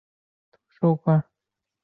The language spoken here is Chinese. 怎么作？